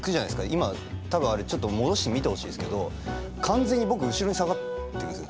今多分あれちょっと戻して見てほしいですけど完全に僕後ろに下がってくんですよ。